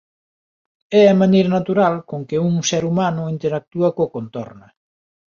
É a maneira natural con que un ser humano interactúa coa contorna.